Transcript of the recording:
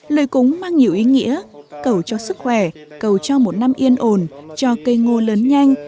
lời cúng mang nhiều ý nghĩa cầu cho sức khỏe cầu cho một năm yên ổn cho cây ngô lớn nhanh